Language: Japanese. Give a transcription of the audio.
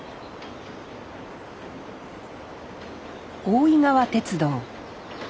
大井川鉄道。